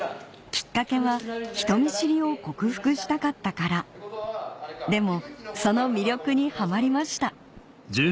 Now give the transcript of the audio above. きっかけは人見知りを克服したかったからでもその魅力にハマりました